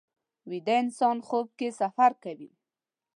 ویده انسان خوب کې سفر کوي